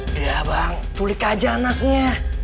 udah bang culik aja anaknya